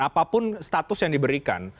apapun status yang diberikan